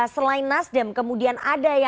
selain nasdem kemudian ada ya